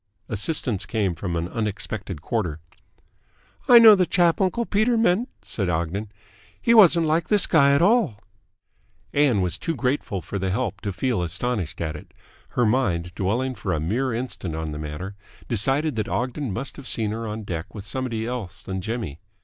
Assistance came from an unexpected quarter. "I know the chap uncle Peter meant," said Ogden. "He wasn't like this guy at all." Ann was too grateful for the help to feel astonished at it. Her mind, dwelling for a mere instant on the matter, decided that Ogden must have seen her on deck with somebody else than Jimmy.